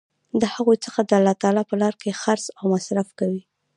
د هغو څخه د الله تعالی په لاره کي خرچ او مصر ف کوي